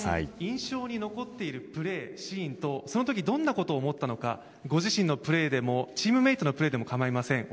印象に残っているプレー、シーンとその時どう思ったのかご自身のプレーでもチームメートのプレーでも構いません。